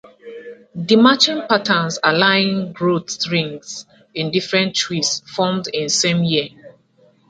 These matching patterns align growth rings in different trees formed in the same year.